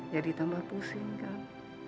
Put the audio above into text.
jadi tambah pusing kak